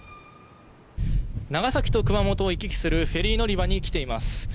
長崎と熊本を行き来するフェリー乗り場に来ています。